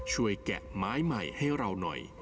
แกะไม้ใหม่ให้เราหน่อย